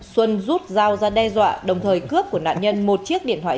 xuân rút dao ra đe dọa đồng thời cướp của nạn nhân một chiếc điện thoại